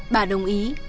bà đồng ý